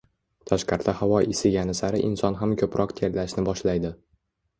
Tashqarida havo isigani sari inson ham ko‘proq terlashni boshlaydi